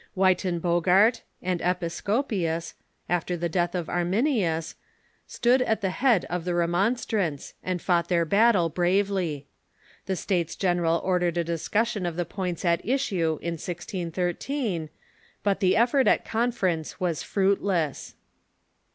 Wytenbogart and Episcopius, after the death of Arminius, stood at the head of the Remon strants, and fought their battle bravely. The States General ordered a discussion of the points at issue in 1013, but the ef fort at conference was fruitless.